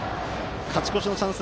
勝ち越しのチャンス